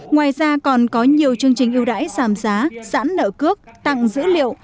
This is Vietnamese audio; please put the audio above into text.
ngoài ra còn có nhiều chương trình ưu đãi giảm giá giãn nợ cước tặng dữ liệu